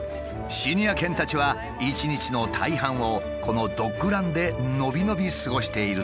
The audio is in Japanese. シニア犬たちは一日の大半をこのドッグランで伸び伸び過ごしているという。